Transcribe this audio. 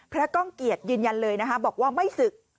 ก้องเกียจยืนยันเลยนะคะบอกว่าไม่ศึก